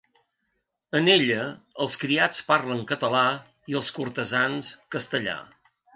En ella els criats parlen català i els cortesans castellà.